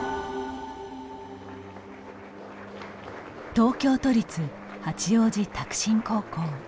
東京都立八王子拓真高校。